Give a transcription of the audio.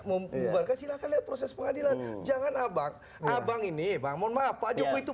membuarkan silakan proses pengadilan jangan abang abang ini bangun maaf pak jokowi itu